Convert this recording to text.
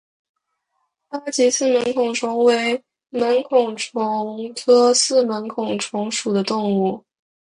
八棘四门孔虫为门孔虫科四门孔虫属的动物。